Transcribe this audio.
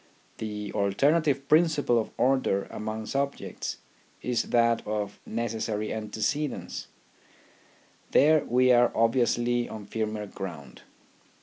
The alternative principle of order among sub jects is that of necessary antecedence. There we are obviously on firmer ground.